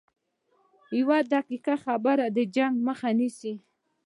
یوه دقیقه خبره د جنګ مخه نیسي